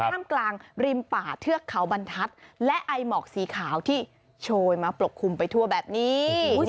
ท่ามกลางริมป่าเทือกเขาบรรทัศน์และไอหมอกสีขาวที่โชยมาปกคลุมไปทั่วแบบนี้